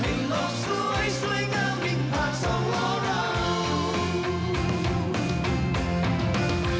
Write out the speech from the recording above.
ให้โลกสวยสวยงามยิ่งผ่านทรงโลกเรา